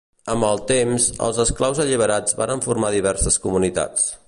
Amb el temps, els esclaus alliberats varen formar diverses comunitats.